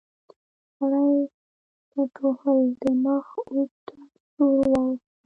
سړي شټوهل د مخ اوږد ټپ سور واوښت.